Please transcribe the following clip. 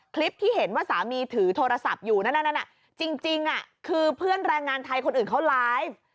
คลิปที่เห็นว่าสามีถือโทรศัพท์อยู่นั่นจริงคือเพื่อนแรงงานไทยคนอื่นเขาไลฟ์